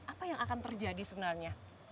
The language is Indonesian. apa yang akan terjadi sebenarnya